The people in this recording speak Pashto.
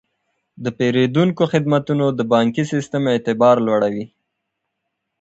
د پیرودونکو خدمتونه د بانکي سیستم اعتبار لوړوي.